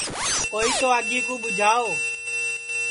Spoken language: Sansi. کوئی تو آگی کُو ٻُوجھاؤ